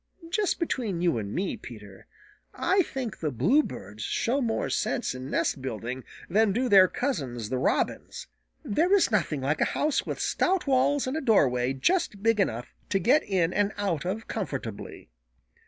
Just between you and me, Peter, I think the Bluebirds show more sense in nest building than do their cousins the Robins. There is nothing like a house with stout walls and a doorway just big enough to get in and out of comfortably."